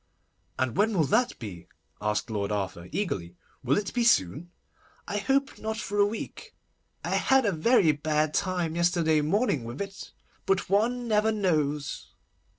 'And when will that be?' asked Lord Arthur eagerly. 'Will it be soon?' 'I hope not for a week. I had a very bad time yesterday morning with it. But one never knows.